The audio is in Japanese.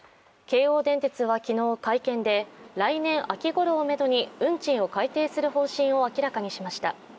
京王電鉄は昨日、会見で来年秋ごろをめどに運賃を改定する方針を明らかにしました。